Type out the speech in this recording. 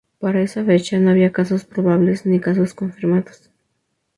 Para esa fecha no había casos probables ni casos confirmados.